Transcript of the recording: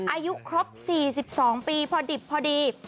อายุครบ๔๒ปีพอดิบพอดี